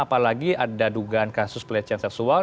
apalagi ada dugaan kasus pelecehan seksual